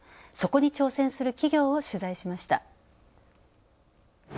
そこに挑戦する企業を取材しました。